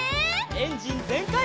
エンジンぜんかい！